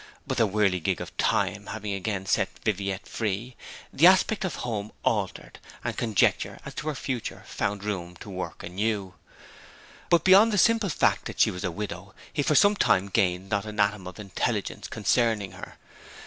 But the whirligig of time having again set Viviette free, the aspect of home altered, and conjecture as to her future found room to work anew. But beyond the simple fact that she was a widow he for some time gained not an atom of intelligence concerning her.